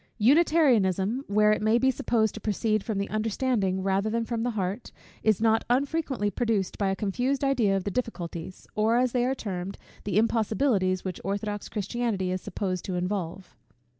Unitarianism, where it may be supposed to proceed from the understanding rather than from the heart, is not unfrequently produced by a confused idea of the difficulties, or, as they are termed, the impossibilities which orthodox Christianity is supposed to involve.